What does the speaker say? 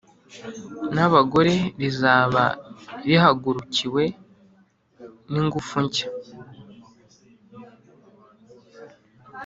n’abagore rizaba rihagurukiwe n’ingufu nshya.